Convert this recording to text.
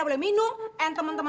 tadi ini wang pertama